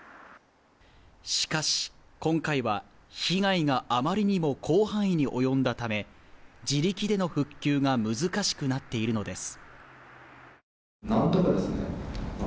しかし、今回は被害があまりにも広範囲に及んだため、自力での復旧が難しくなっているのです。